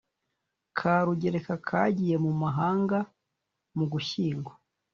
ka rugereka kagiye mu mahanga mu gushyingo.